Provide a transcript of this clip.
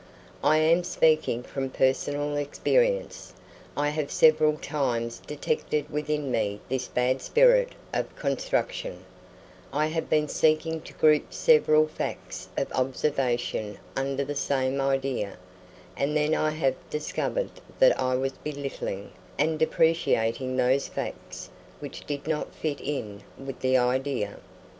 I am speaking from personal experience. I have several times detected within me this bad spirit of construction, I have been seeking to group several facts of observation under the same idea, and then I have discovered that I was belittling and depreciating those facts which did not fit in with the idea.